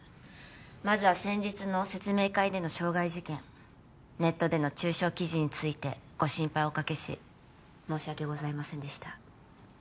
まずは先日の説明会での傷害事件ネットでの中傷記事についてご心配をおかけし申し訳ございませんでした